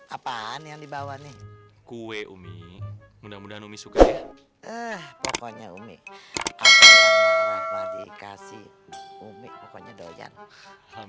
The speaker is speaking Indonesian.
apaan yang dibawa nih kue umi mudah mudahan umi suka ya eh pokoknya umi kasih umi pokoknya doyan